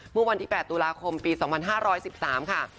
เมื่อวันที่๘ตุลาคมปี๒๕๑๓ค่ะ